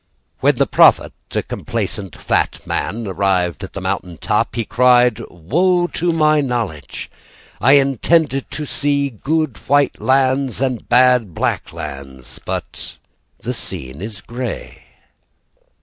When the prophet, a complacent fat man, Arrived at the mountain top, He cried: "Woe to my knowledge! "I intended to see good white lands "And bad black lands, "But the scene is grey."